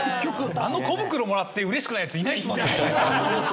あの小袋もらって嬉しくないヤツいないですもんね。